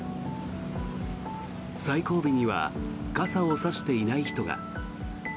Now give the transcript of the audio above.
最後尾には傘を差していない人が。